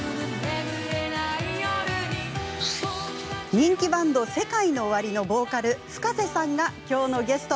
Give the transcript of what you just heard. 人気バンド ＳＥＫＡＩＮＯＯＷＡＲＩ のボーカル Ｆｕｋａｓｅ さんがきょうのゲスト。